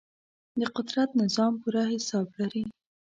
د قدرت نظام پوره حساب لري.